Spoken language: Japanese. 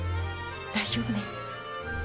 大丈夫ね？